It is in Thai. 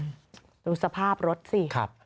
อืมรู้สภาพรสสิ